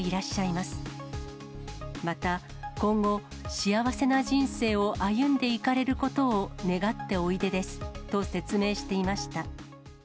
また、今後、幸せな人生を歩んでいかれることを願っておいでですと説明していました。